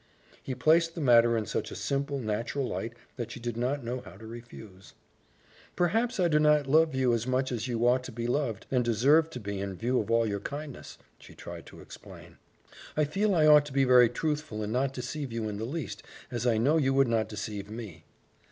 He placed the matter in such a simple, natural light that she did not know how to refuse. "Perhaps I do not love you as much as you ought to be loved, and deserve to be in view of all your kindness," she tried to explain. "I feel I ought to be very truthful and not deceive you in the least, as I know you would not deceive me."